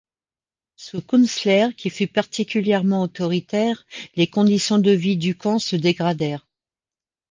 Sous Künstler, qui fut particulièrement autoritaire, les conditions de vie du camp se dégradèrent.